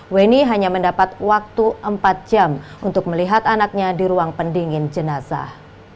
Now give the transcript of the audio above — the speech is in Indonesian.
weni hanya mendapat waktu empat jam untuk melihat anaknya di ruang pendingin jenazah